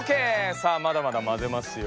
さあまだまだまぜますよ。